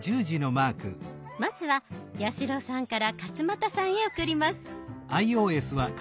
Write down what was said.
まずは八代さんから勝俣さんへ送ります。